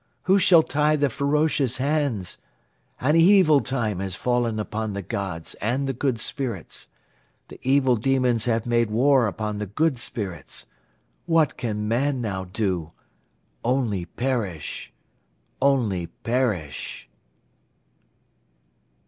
Who shall tie the ferocious hands? An evil time has fallen upon the Gods and the Good Spirits. The Evil Demons have made war upon the Good Spirits. What can man now do? Only perish, only perish.